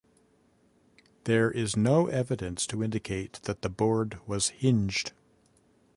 There is no evidence to indicate that the board was hinged.